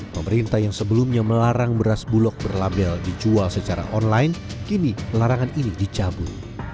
pemerintah yang sebelumnya melarang beras bulog berlabel dijual secara online kini larangan ini dicabut